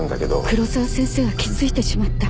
黒沢先生は気付いてしまった。